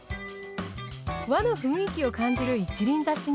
和の雰囲気を感じる一輪挿しに。